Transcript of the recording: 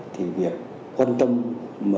thì việc quan tâm